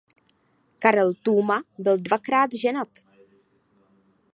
Karel Tůma byl dvakrát ženat.